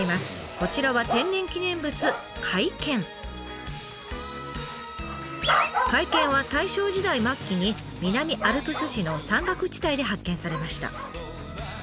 こちらは甲斐犬は大正時代末期に南アルプス市の山岳地帯で発見されました。